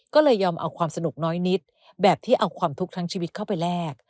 ก็เลยยอมเอาความสนุกน้อยนิดแบบที่เอาความทุกข์ทั้งชีวิตเข้าไปแลก